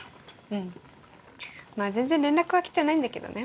うんまあ全然連絡は来てないんだけどね